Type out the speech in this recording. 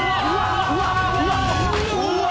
うわ！